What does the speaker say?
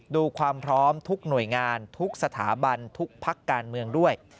ดูความพร้อมทุกหน่วยงานทุกสถาบันทุกพักการเมืองด้วย